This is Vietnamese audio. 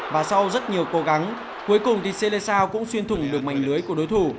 và sau rất nhiều cố gắng cuối cùng thì clesa cũng xuyên thủng được mảnh lưới của đối thủ